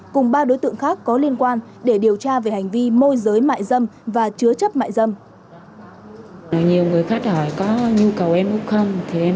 cùng ba đối tượng khác có liên quan để điều tra về hành vi môi giới mại dâm và chứa chấp mại dâm